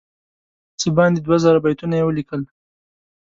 څه باندې دوه زره بیتونه یې ولیکل.